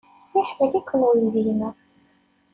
Iḥemmel-iken uydi-inu.